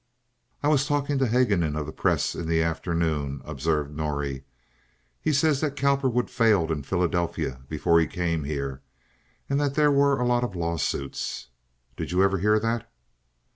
"I was talking to Haguenin of the Press in the afternoon," observed Norrie. "He says that Cowperwood failed in Philadelphia before he came here, and that there were a lot of lawsuits. Did you ever hear that?"